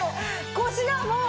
腰がもう。